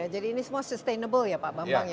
jadi ini semua sustainable ya pak bambang